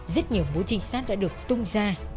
rất nhiều mối trình sát đã được tung ra